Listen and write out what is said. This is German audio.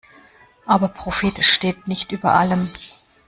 Aber Profit steht nicht über allem.